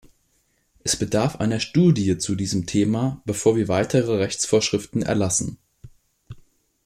Es bedarf einer Studie zu diesem Thema, bevor wir weitere Rechtsvorschriften erlassen.